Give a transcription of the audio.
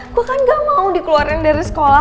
gue kan gak mau dikeluarkan dari sekolah